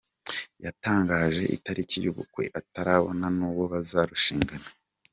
Yatangaje itariki y’ubukwe atarabona nuwo bazarushingana